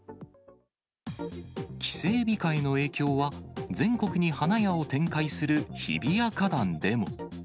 帰省控えの影響は、全国に花屋を展開する日比谷花壇でも。